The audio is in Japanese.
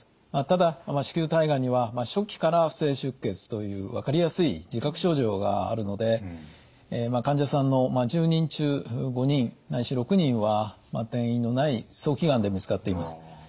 ただ子宮体がんには初期から不正出血という分かりやすい自覚症状があるので患者さんの１０人中５人ないし６人は転移のない早期がんで見つかっています。